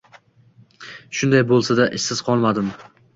Shunday bo‘lsa-da, ishsiz qolmadim.